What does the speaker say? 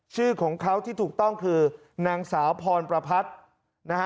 ชื่อของเขาที่ถูกต้องคือนางสาวพรประพัฒน์นะฮะ